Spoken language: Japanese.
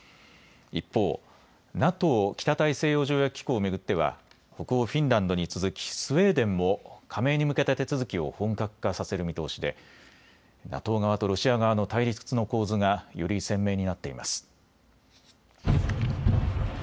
一方、ＮＡＴＯ・北大西洋条約機構を巡っては北欧フィンランドに続きスウェーデンも加盟に向けた手続きを本格化させる見通しでＮＡＴＯ側とロシア側の対立の構図がより鮮明になっています。